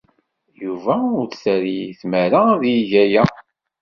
Yuba ur t-terri tmara ad yeg aya.